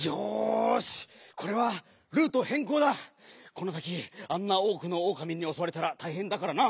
この先あんなおおくのおおかみにおそわれたらたいへんだからな。